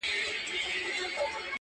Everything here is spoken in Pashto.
په دوی واړو کي چي مشر وو غدار وو -